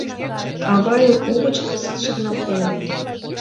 Авайым угыч кызыт шарналтем